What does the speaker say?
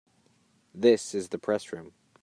This is the Press Room.